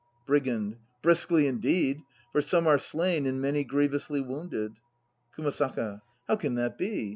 UGAND. Briskly indeed; for some are slain and many grievously wounded. [ASAKA. How can that be?